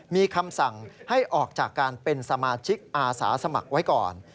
มีคำสั่งให้ออกจากการเป็นสมาชิกอาสาสมัครไว้ก่อน